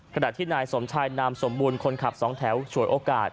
ขณะที่นายสมชายนามสมบูรณ์คนขับสองแถวฉวยโอกาส